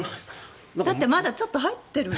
だって、まだちょっと入ってる。